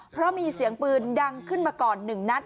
เพราะมีเสียงปืนดังขึ้นมาก่อน๑นัด